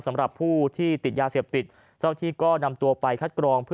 สำหรับผู้ติดยาเสพติดเจ้าที่ก็นำไปคัดกรอง